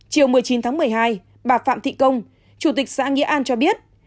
chiều một mươi chín tháng một mươi hai bà phạm thị công chủ tịch xã nghĩa an cho biết